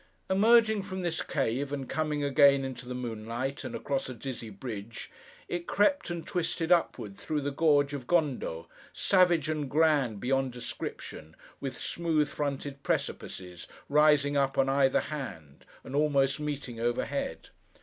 Emerging from this cave, and coming again into the moonlight, and across a dizzy bridge, it crept and twisted upward, through the Gorge of Gondo, savage and grand beyond description, with smooth fronted precipices, rising up on either hand, and almost meeting overhead.